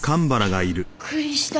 びっくりした。